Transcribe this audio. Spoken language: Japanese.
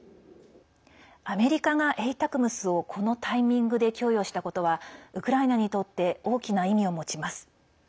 アメリカがＡＴＡＣＭＳをこのタイミングで供与したことはウクライナにとって大きな意味を持ちます。